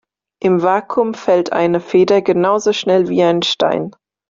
Im Vakuum fällt eine Feder genauso schnell wie ein Stein.